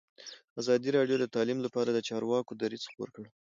ازادي راډیو د تعلیم لپاره د چارواکو دریځ خپور کړی.